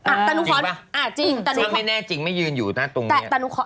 อ่านนี้น่จริงไม่ยืนอยู่ตรงนี้